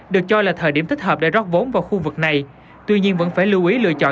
được cho là thời điểm thích hợp để rót vốn vào khu vực này tuy nhiên vẫn phải lưu ý lựa chọn